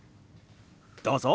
どうぞ！